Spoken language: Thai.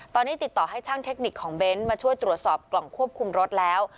ตอนนี้ติดต่อให้ช่างเทคนิคของเบ้นมาช่วยตรวจสอบกล่องควบคุมรถแล้ว